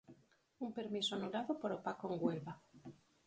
Un permiso anulado por opaco en Huelva.